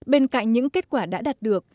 bên cạnh những kết quả đã đạt được